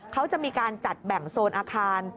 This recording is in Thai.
เขาจะมีการจัดแบ่งโซนอาคาร